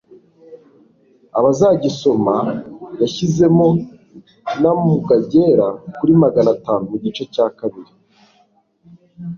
abazagisoma yashyizemo n'amuga agera kuri magana atanu. mu gice cya kabiri